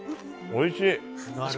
おいしい。